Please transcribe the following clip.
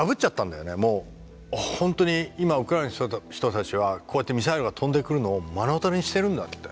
もうほんとに今ウクライナの人たちはこうやってミサイルが飛んでくるのを目の当たりにしてるんだって。